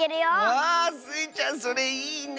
わあスイちゃんそれいいね！